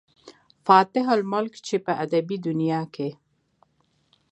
فاتح الملک، چې پۀ ادبي دنيا کښې